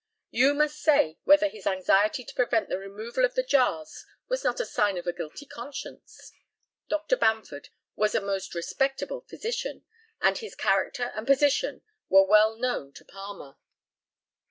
You must say whether his anxiety to prevent the removal of the jars was not a sign of a guilty conscience. Dr. Bamford was a most respectable physician, and his character and position were well known to Palmer.